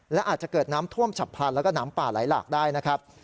และอาจจะเกิดน้ำท่วมฉับพลันแล้วก็น้ำป่าไหลหลากได้นะครับ